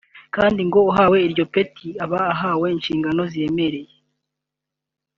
kandi ngo umuntu uhawe iryo peti aba ahawe inshingano ziremereye